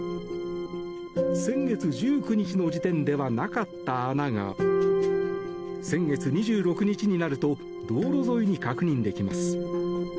先月１９日の時点ではなかった穴が先月２６日になると道路沿いに確認できます。